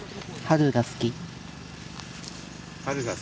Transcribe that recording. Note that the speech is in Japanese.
春が好きか。